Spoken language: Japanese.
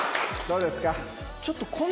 どうですか？